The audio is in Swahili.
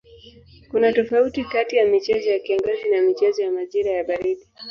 Kuna tofauti kati ya michezo ya kiangazi na michezo ya majira ya baridi.